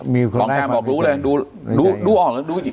มีคนร้ายความในใจ